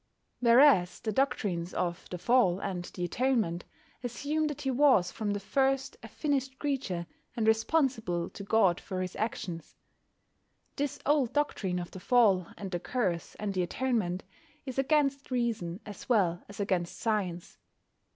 Whereas the doctrines of "the Fall" and the Atonement assume that he was from the first a finished creature, and responsible to God for his actions. This old doctrine of the Fall, and the Curse, and the Atonement is against reason as well as against science.